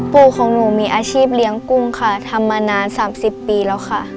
ปู่ของหนูมีอาชีพเลี้ยงกุ้งค่ะทำมานาน๓๐ปีแล้วค่ะ